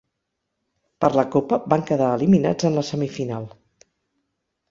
Per la Copa, van quedar eliminats en la semifinal.